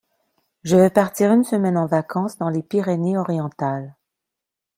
Je vais partir une semaine en vacances dans les Pyrénées-Orientales.